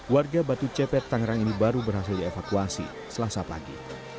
warga batu cepet tangerang ini baru berhasil dievakuasi selasa pagi